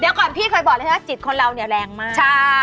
เดี๋ยวก่อนพี่เคยบอกแล้วใช่ไหมจิตคนเราเนี่ยแรงมาก